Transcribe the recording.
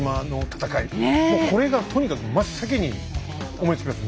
もうこれがとにかく真っ先に思いつきます。